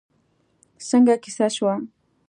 څنګه کېسه شوه؟